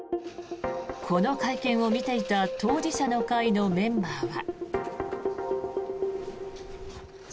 この会見を見ていた当事者の会のメンバーは。